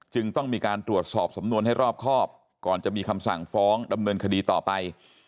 ต้องมีการตรวจสอบสำนวนให้รอบครอบก่อนจะมีคำสั่งฟ้องดำเนินคดีต่อไป